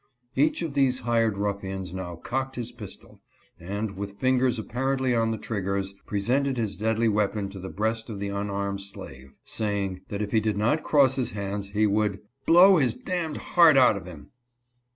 Each of these hired ruffians now cocked his pistol, and, with fingers apparently on the triggers, pre sented his deadly weapon to the breast of the unarmed slave, saying, that if he did not cross his hands, he would " blow his d d heart out of him."